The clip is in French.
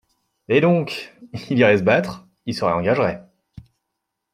Eh donc! il irait se battre, il se réengagerait.